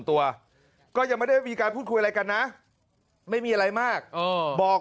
ตัวก็ยังไม่ได้มีการพูดคุยอะไรกันนะไม่มีอะไรมากบอก